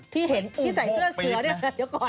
ที่เห็นที่ใส่เสื้อเสื้อเนี่ย